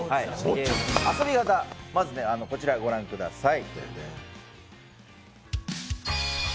遊び方はこちらをご覧ください。